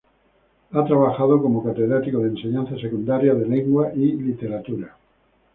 Ha trabajado como Catedrático de Enseñanza Secundaria de lengua y literatura.